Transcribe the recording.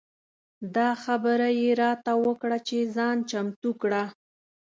دا خبره یې راته وکړه چې ځان چمتو کړه.